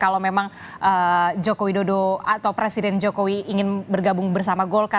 kalau memang jokowi dodo atau presiden jokowi ingin bergabung bersama